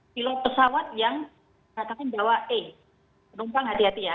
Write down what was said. pilot pesawat yang mengatakan bahwa eh penumpang hati hati ya